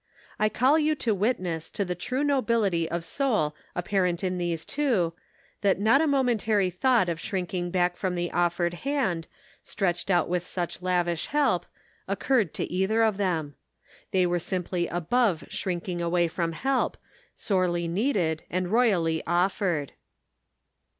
I call you to witness to the true nobility of soul apparent in these two, that not a mo mentary thought of shrinking back from the offered hand, stretched out with such lavish help, occurred to either of them. They were simply above shrinking away from help, sorely needed, and royally offered.